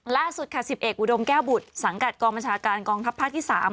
ล่าสุดค่ะสิบเอกอุดมแก้วบุตรสังกัดกองประชาการกองทัพภาคที่สาม